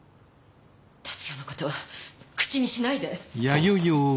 達也のことは口にしないで！